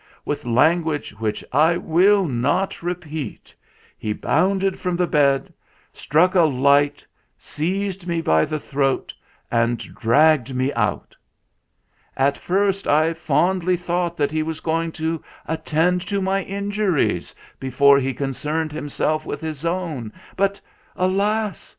With language which I will not repeat he bounded from the bed, struck a light, seized me by the throat, and dragged me out. At first I fondly thought that he was go ing to attend to my injuries before he concerned himself with his own ; but, alas